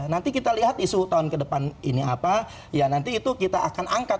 nanti kita lihat isu tahun ke depan ini apa ya nanti itu kita akan angkat